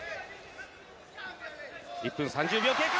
１分３０秒経過。